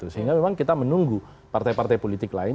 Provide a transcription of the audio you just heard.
saya menunggu partai partai politik lain